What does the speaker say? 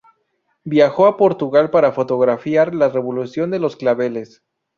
Viajó a Portugal para fotografiar la Revolución de los Claveles.